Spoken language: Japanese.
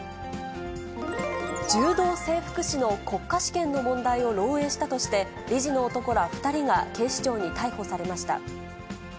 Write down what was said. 柔道整復師の国家試験の問題を漏えいしたとして、理事の男ら２人が警視庁に逮捕されました。